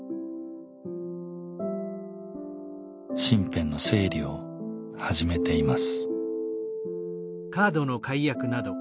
身辺の整理を始めています。